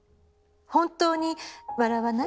本当に笑わない？